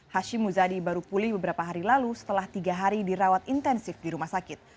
hashim muzadi baru pulih beberapa hari lalu setelah tiga hari dirawat intensif di rumah sakit